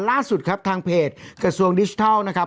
ล่าสุดทางเพจกระชั่วดิจิทัลนะครับ